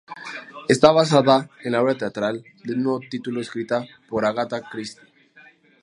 Está basada en la obra teatral del mismo título escrita por Agatha Christie.